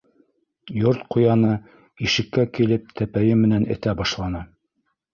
Йорт ҡуяны ишеккә килеп тәпәйе менән этә башланы.